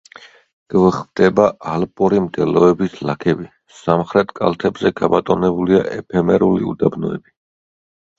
გვხვდება ალპური მდელოების ლაქები; სამხრეთ კალთებზე გაბატონებულია ეფემერული უდაბნოები.